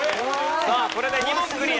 さあこれで２問クリア。